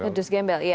pedus gembel iya